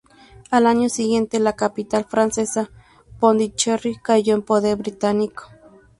Al año siguiente la capital francesa, Pondicherry cayó en poder británico.